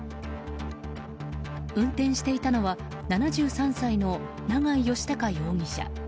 運転していたのは７３歳の長井義孝容疑者。